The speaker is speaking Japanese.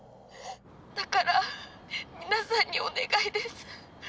だから皆さんにお願いです。